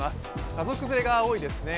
家族連れが多いですね。